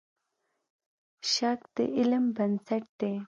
شک د علم بنسټ دی.